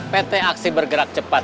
pt aksi bergerak cepat